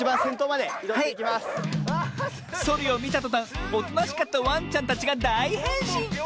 そりをみたとたんおとなしかったワンちゃんたちがだいへんしん！